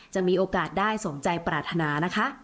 จะมีโอกาสได้สมใจปรารถนานะคะ